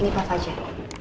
ini pak fajar